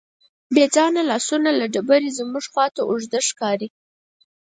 بېځانه لاسونه له ډبرې زموږ خواته اوږده ښکاري.